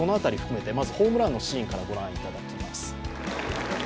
まずホームランのシーンからご覧いただきます。